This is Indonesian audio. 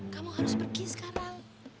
kamu harus pergi sekarang